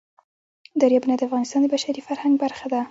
دریابونه د افغانستان د بشري فرهنګ برخه ده.